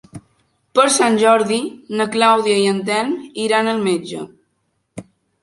Per Sant Jordi na Clàudia i en Telm iran al metge.